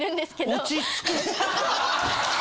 落ち着け。